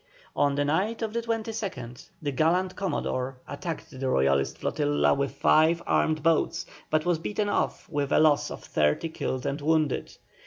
On the night of the 22nd the gallant Commodore attacked the Royalist flotilla with five armed boats, but was beaten off with a loss of thirty killed and wounded.